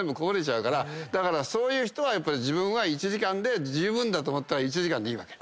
だからそういう人は自分は１時間で十分だと思ったら１時間でいいわけ。